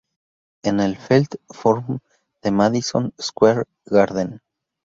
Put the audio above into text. En el Felt Forum del Madison Square Garden.